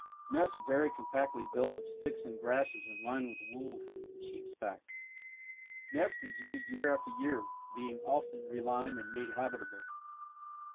Nest very compactly built of sticks and grasses and lined with wool from sheep's back. Nest is used year after year, being often relined and made habitable.